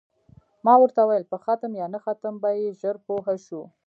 ما ورته وویل: په ختم یا نه ختم به یې ژر پوه شو.